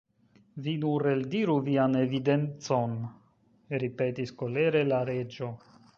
"Vi nur eldiru vian evidencon," ripetis kolere la Reĝo.